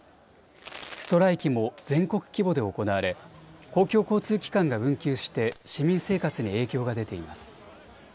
ストライキも全国規模で行われ公共交通機関が運休して市民生活に影響が出ています。